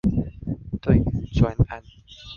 對於專案